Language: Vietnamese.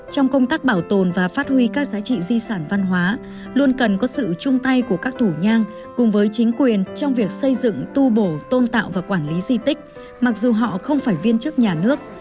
trong công tác bảo tồn và phát huy các giá trị di sản văn hóa luôn cần có sự chung tay của các thủ nhang cùng với chính quyền trong việc xây dựng tu bổ tôn tạo và quản lý di tích mặc dù họ không phải viên chức nhà nước